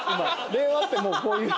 令和ってもうこういう。